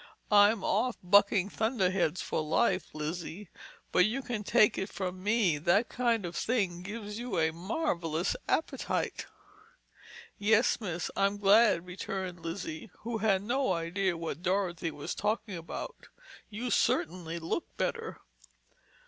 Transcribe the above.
"I'm off bucking thunderheads for life, Lizzie. But you can take it from me, that kind of thing gives you a marvelous appetite!" "Yes, miss, I'm glad," returned Lizzie, who had no idea what Dorothy was talking about. "You certainly look better."